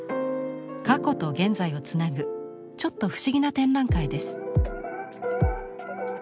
過去と現在をつなぐちょっと不思議な展覧会です。